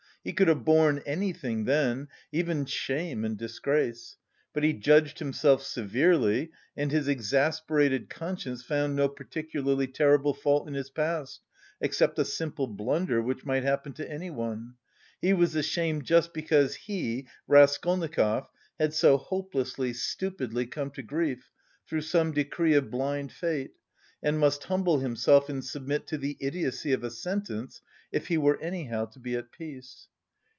He could have borne anything then, even shame and disgrace. But he judged himself severely, and his exasperated conscience found no particularly terrible fault in his past, except a simple blunder which might happen to anyone. He was ashamed just because he, Raskolnikov, had so hopelessly, stupidly come to grief through some decree of blind fate, and must humble himself and submit to "the idiocy" of a sentence, if he were anyhow to be at peace.